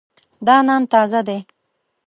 دا نان تازه دی.